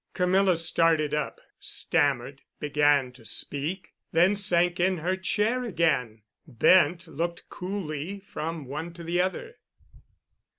Camilla started up, stammered, began to speak, then sank in her chair again. Bent looked coolly from one to the other.